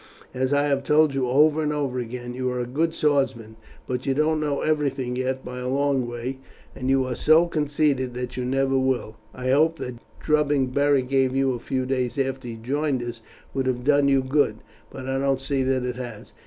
As I have told you over and over again, you are a good swordsman, but you don't know everything yet by a long way, and you are so conceited that you never will. I hoped that drubbing Beric gave you a few days after he joined us would have done you good, but I don't see that it has.